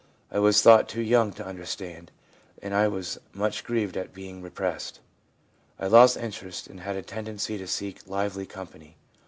I was thought too young to understand, and 1 was much grieved at being repressed. I lost interest, and had a tendency to seek lively company.